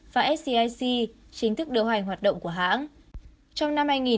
và scic chính thức điều hành hoạt động của hãng